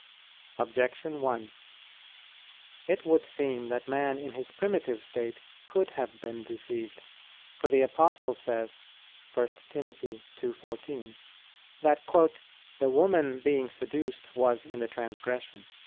Objection 1: It would seem that man in his primitive state could have been deceived. For the Apostle says (1 Tim. 2:14) that "the woman being seduced was in the transgression."